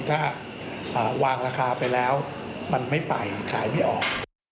ถ้าวางราคาไปแล้วมันไม่ไปขายไม่ออก